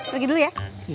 pergi dulu ya